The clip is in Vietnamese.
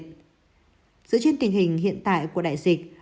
giữa trên tình hình hiện tại của đại dịch